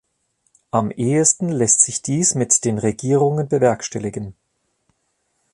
Am ehesten lässt sich dies mit den Regierungen bewerkstelligen.